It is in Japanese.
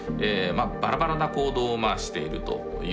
バラバラな行動をしているということですよね。